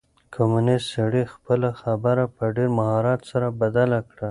کمونيسټ سړي خپله خبره په ډېر مهارت سره بدله کړه.